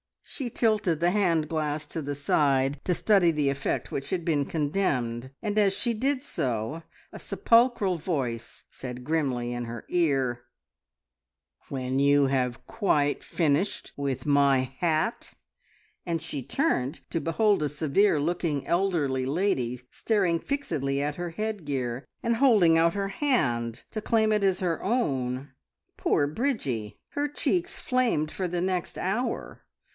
She tilted the hand glass to the side to study the effect which had been condemned, and as she did so, a sepulchral voice said grimly in her ear, "When you have quite finished with my hat!" and she turned to behold a severe looking, elderly lady staring fixedly at her headgear, and holding out her hand to claim it as her own. Poor Bridgie! her cheeks flamed for the next hour.